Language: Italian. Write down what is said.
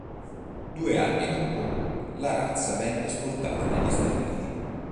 Due anni dopo, la razza venne esportata negli Stati Uniti.